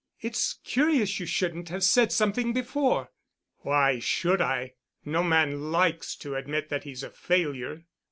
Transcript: It's curious you shouldn't have said something before." "Why should I? No man likes to admit that he's a failure."